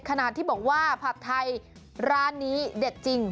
ขนาดที่บอกว่าผัดไทยร้านนี้เด็ดจริง